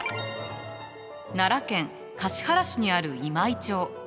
奈良県橿原市にある今井町。